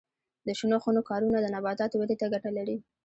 د شنو خونو کارونه د نباتاتو ودې ته ګټه لري.